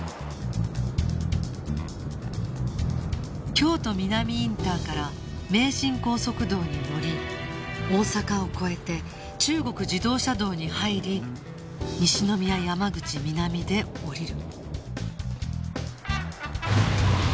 京都南インターから名神高速道に乗り大阪を越えて中国自動車道に入り西宮山口南で降りる